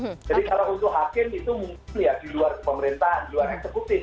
jadi kalau untuk hakim itu mungkin ya di luar pemerintahan di luar eksekutif